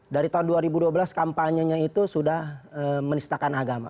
dari tahun dua ribu dua belas kampanyenya itu sudah menistakan agama